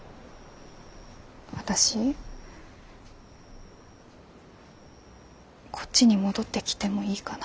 私こっちに戻ってきてもいいかな？